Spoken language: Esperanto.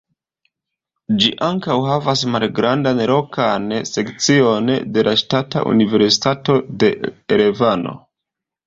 Ĝi ankaŭ havas malgrandan lokan sekcion de la Ŝtata Universitato de Erevano.